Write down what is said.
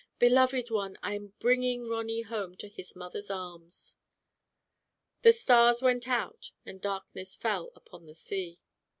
Beloved one, Tm bringing Ronny home to his mother's arms." The stars went out and darkness fell upon the sea.